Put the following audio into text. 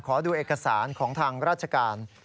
ขอดูเอกสารของทางราชการ